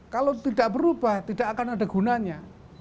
kalau tidak berubah tidak akan ada gunanya